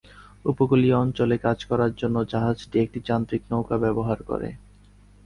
উপকূলীয় অঞ্চলে কাজ করার জন্য জাহাজটি একটি যান্ত্রিক নৌকা ব্যবহার করে।